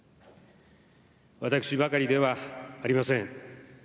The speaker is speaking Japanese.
私ばかりではありません。